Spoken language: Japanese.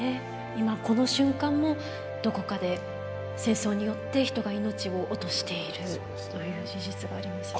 今この瞬間もどこかで戦争によって人が命を落としているという事実がありますよね。